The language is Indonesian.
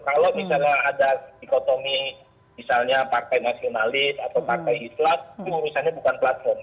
kalau misalnya ada dikotomi misalnya partai nasionalis atau partai islam itu urusannya bukan platform